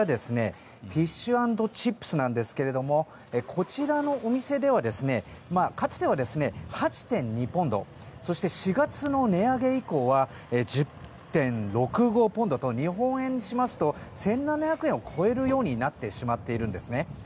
フィッシュアンドチップスですがこちらのお店ではかつては８．２ポンドそして、４月の値上げ以降は１０．６５ポンドと日本円にしますと１７００円を超えるようになってしまっているんですね。